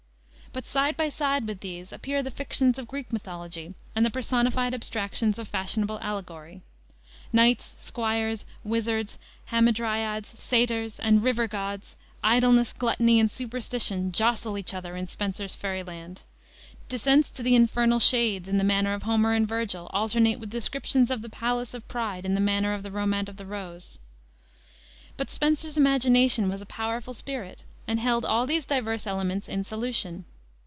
But side by side with these appear the fictions of Greek mythology and the personified abstractions of fashionable allegory. Knights, squires, wizards, hamadryads, satyrs, and river gods, Idleness, Gluttony, and Superstition jostle each other in Spenser's fairy land. Descents to the infernal shades, in the manner of Homer and Vergil, alternate with descriptions of the Palace of Pride in the manner of the Romaunt of the Rose. But Spenser's imagination was a powerful spirit, and held all these diverse elements in solution.